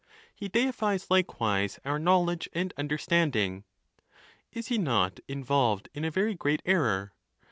He deifies likewise our knowl edge and understanding. Is he not involved in a very great error?